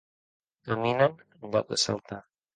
Caminen en lloc de saltar.